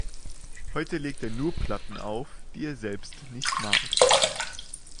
Heute legt er nur Platten auf, die er selbst nicht mag.